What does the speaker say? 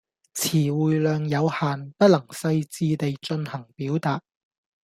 辭彙量有限，不能細致地進行表達